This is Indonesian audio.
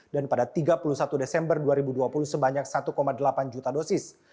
dan pada tiga puluh satu desember dua ribu dua puluh sebanyak satu delapan juta dosis